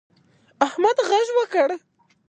احمد غږ وکړ.